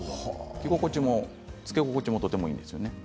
着心地も着け心地もとてもいいんですよね。